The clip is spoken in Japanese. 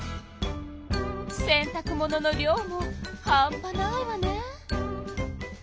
洗たく物の量も半ぱないわね。